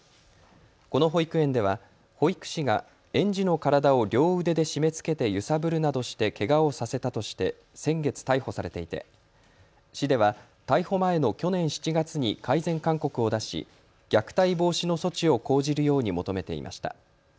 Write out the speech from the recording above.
この保育園では保育士が園児の体を両腕で締めつけて揺さぶるなどしてけがをさせたとして先月、逮捕されていて市では逮捕前の去年７月に改善勧告を出し虐待防止の措置を講じるように求めていました。